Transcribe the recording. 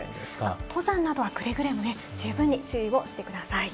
登山などはくれぐれもね、十分に注意をしてください。